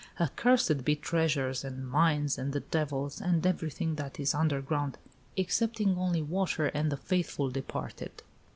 Accursed be treasures, and mines, and the devils, and everything that is underground, excepting only water and the faithful departed!"